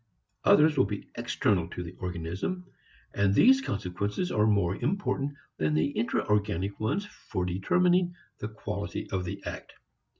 Others will be external to the organism, and these consequences are more important than the intra organic ones for determining the quality of the act.